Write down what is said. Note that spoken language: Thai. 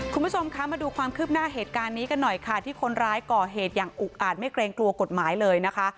คุณผู้ชมคะมาดูความคืบหน้าเหตุการณ์นี้กันหน่อยค่ะที่คนร้ายก่อเหตุอย่างอุกอาจไม่เกรงกลัวกฎหมายเลยนะคะ